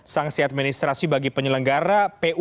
sanksi administrasi bagi penyelenggara